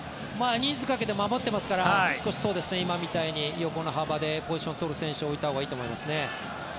人数かけて守ってますから今みたいに横の幅でポジションを取る選手を置いたほうがいいと思います。